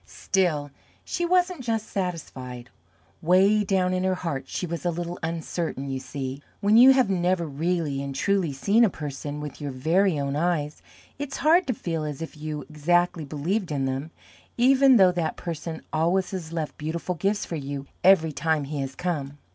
Still, she wasn't JUST satisfied. 'Way down in her heart she was a little uncertain you see, when you have never really and truly seen a person with your very own eyes, it's hard to feel as if you exactly believed in him even though that person always has left beautiful gifts for you every time he has come.